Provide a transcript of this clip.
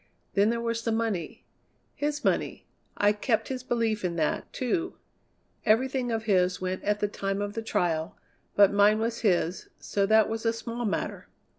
Then there was the money his money. I kept his belief in that, too. Everything of his went at the time of the trial, but mine was his, so that was a small matter.